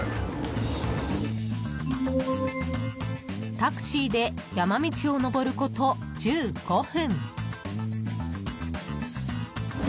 タクシーで山道を登ること１５分。